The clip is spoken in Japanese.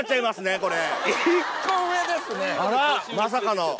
まさかの。